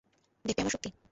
দেখবে আমার শক্তি?